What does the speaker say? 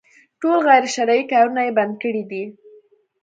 ټول غير شرعي کارونه يې بند کړي دي.